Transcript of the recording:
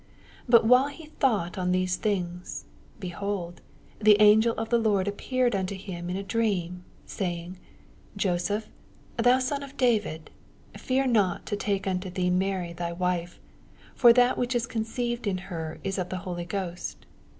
20 But while he thought on these things, behold, the angel of the Lord appeared onto him in a dream, saying, Joseph, thou son of David, fear not to take unto thee Mary thy wife : for that which is conceived in her is of the Holy Ghost.